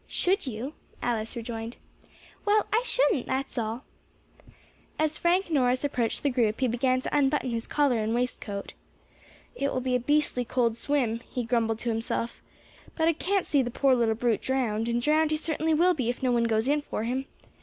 "Should you?" Alice rejoined. "Well I shouldn't, that's all." As Frank Norris approached the group he began to unbutton his collar and waistcoat. "It will be a beastly cold swim," he grumbled to himself, "but I can't see the poor little brute drowned, and drowned he certainly will be if no one goes in for him.